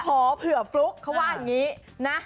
ขอเผื่อฟลุกเขาว่าอย่างนี้นะ